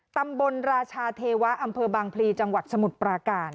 ราชาเทวะอำเภอบางพลีจังหวัดสมุทรปราการ